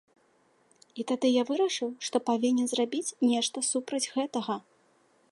І тады я вырашыў, што павінен зрабіць нешта супраць гэтага.